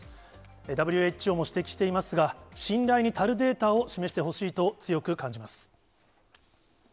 ＷＨＯも指摘していますが、信頼に足るデータを示してほしいと強く感じます。